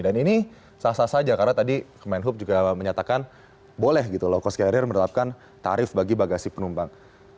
dan ini sah sah saja karena tadi kemenhub juga menyatakan boleh lokos carrier menerapkan tarif bagi bagasi penumpang